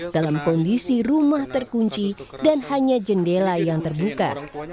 dalam kondisi rumah terkunci dan hanya jendela yang terbuka